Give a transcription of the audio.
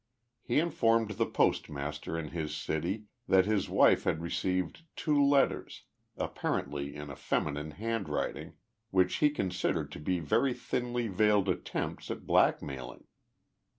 He informed the postmaster in his city that his wife had received two letters, apparently in a feminine handwriting, which he considered to be very thinly veiled attempts at blackmailing.